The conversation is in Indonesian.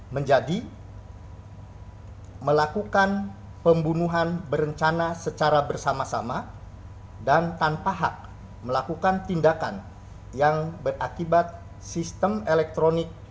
menjadi melakukan pembunuhan berencana secara bersama sama dan tanpa hak melakukan tindakan yang berakibat sistem elektronik